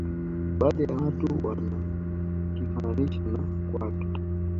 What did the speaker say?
baadhi ya watu wanakifananisha na kwato